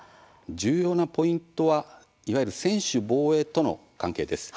重要なポイントはいわゆる専守防衛との関係です。